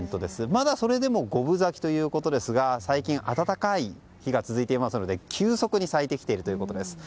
まだそれでも五分咲きということですが最近、暖かい日が続いているので急速に咲いてきているということです。